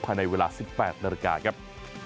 ภายในเวลา๑๘นาฬิกาครับ